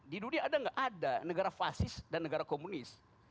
di dunia ada nggak ada negara fasis dan negara komunis